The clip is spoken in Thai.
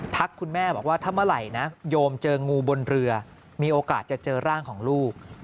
คุณแม่บอกว่าถ้าเมื่อไหร่นะโยมเจองูบนเรือมีโอกาสจะเจอร่างของลูก